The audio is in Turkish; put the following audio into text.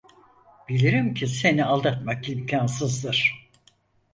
Bilirim ki seni aldatmak imkansızdır.